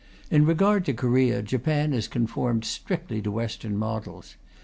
In regard to Korea, Japan has conformed strictly to Western models.